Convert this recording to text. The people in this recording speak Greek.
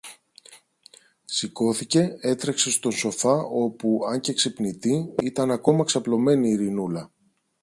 Σηκώθηκε, έτρεξε στο σοφά όπου, αν και ξυπνητή, ήταν ακόμα ξαπλωμένη η Ειρηνούλα.